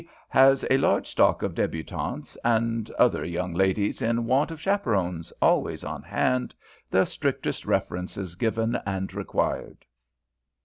has a large stock of debutantes, and other young ladies in want of chaperons, always on hand. The strictest references given and required.'